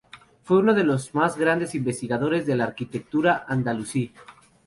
Fue uno de los más grandes investigadores de la arquitectura andalusí.